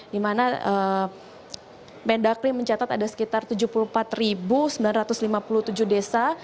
di mana mendagri mencatat ada sekitar tujuh puluh empat sembilan ratus lima puluh tujuh desa